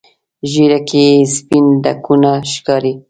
ږیره کې یې سپین ډکونه ښکاري.